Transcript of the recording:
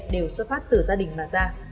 đều xuất phát từ gia đình mà ra